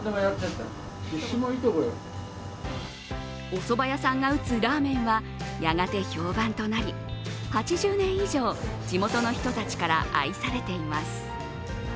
おそば屋さんが打つラーメンはやがて評判となり８０年以上、地元の人たちから愛されています。